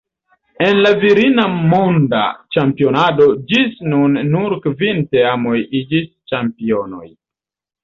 En la virina monda ĉampionado ĝis nun nur kvin teamoj iĝis ĉampionoj.